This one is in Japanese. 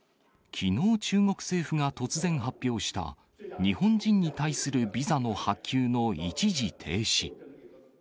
きのう中国政府が突然発表した日本人に対するビザの発給の一時停止。